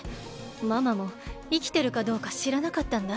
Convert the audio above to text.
ママもいきてるかどうかしらなかったんだ。